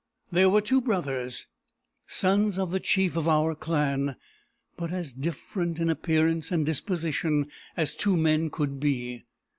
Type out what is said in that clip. There were two brothers, sons of the chief of our clan, but as different in appearance and disposition as two men could be.